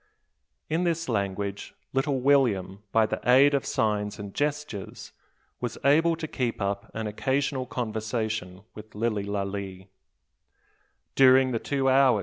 In this language, little William, by the aid of signs and gestures, was able to keep up an occasional conversation with Lilly Lalee.